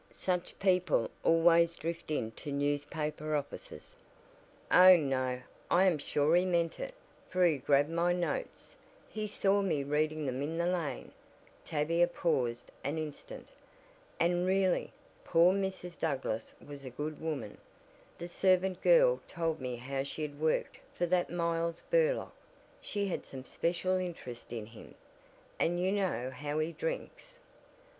"Such people always drift into newspaper offices." "Oh, no, I am sure he meant it, for he grabbed my notes. He saw me reading them in the lane," Tavia paused an instant. "And really, poor Mrs. Douglass was a good woman. The servant girl told me how she had worked for that Miles Burlock, she had some special interest in him, and you know how he drinks."